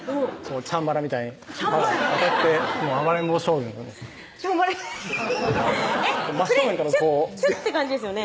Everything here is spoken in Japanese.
チャンバラみたいに当たって暴れん坊将軍チャンバラハハハッそれチュッて感じですよね